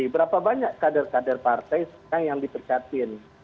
berapa banyak kader kader partai sekarang yang dipercatin